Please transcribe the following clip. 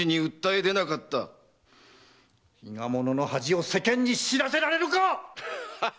伊賀者の恥を世間に知らせられるか！